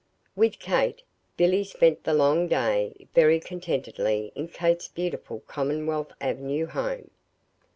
With Kate, Billy spent the long day very contentedly in Kate's beautiful Commonwealth Avenue home.